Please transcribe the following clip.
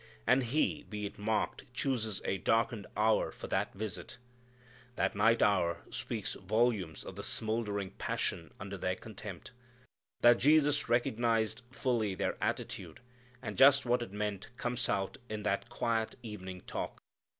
And he, be it marked, chooses a darkened hour for that visit. That night hour speaks volumes of the smouldering passion under their contempt. That Jesus recognized fully their attitude and just what it meant comes out in that quiet evening talk.